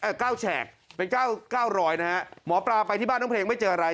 เก้าแฉกเป็นเก้าเก้าร้อยนะฮะหมอปลาไปที่บ้านน้องเพลงไม่เจออะไร